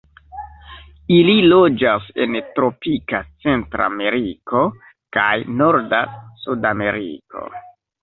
Ili loĝas en tropika Centrameriko kaj norda Sudameriko.